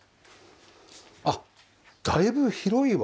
あっだいぶ広いわ。